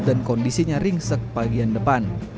dan kondisinya rinsek bagian depan